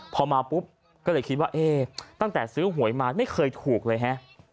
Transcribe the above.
พอมาปุ๊บก็เลยคิดว่าเอ๊ะตั้งแต่ซื้อหวยมาไม่เคยถูกเลยฮะ